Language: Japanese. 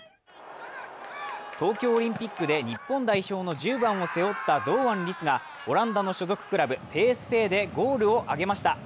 東京オリンピックで日本代表の１０番を背負った堂安律がオランダの所属クラブ、ＰＳＶでゴールを挙げました。